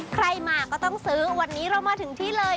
ใครมาก็ต้องซื้อวันนี้เรามาถึงที่เลย